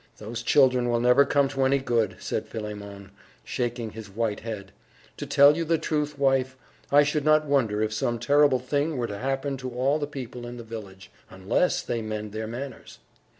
"Those children will never come to any good," said Philemon, shaking his white head. "To tell you the truth, wife, I should not wonder if some terrible thing were to happen to all the people in the village, unless they mend their manners.